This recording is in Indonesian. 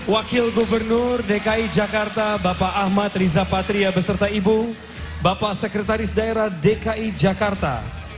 wakil gubernur dki jakarta bapak ahmad riza patria beserta ibu bapak sekretaris daerah dki jakarta